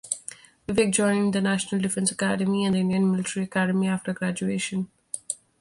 Vivek joined the National Defense Academy and the Indian Military Academy after graduation.